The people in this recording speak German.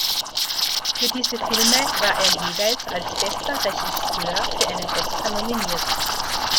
Für diese Filme war er jeweils als bester Regisseur für einen Oscar nominiert.